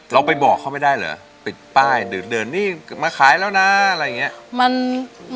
เราไปบอกเขาไม่ได้เหรอปิดป้ายเดินนี่มาขายแล้วนะอะไรอย่างนี้